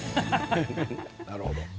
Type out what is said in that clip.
なるほど。